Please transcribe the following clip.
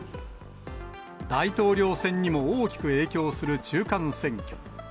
大統領選にも大きく影響する中間選挙。